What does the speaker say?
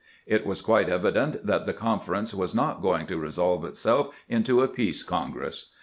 It was quite evident that the conference was not going to resolve itself into a "peace congress."